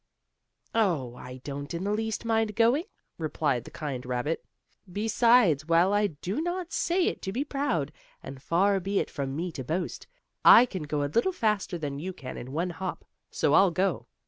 "Oh, I don't in the least mind going," replied the kind rabbit. "Besides, while I do not say it to be proud, and far be it from me to boast, I can go a little faster than you can in one hop. So I'll go."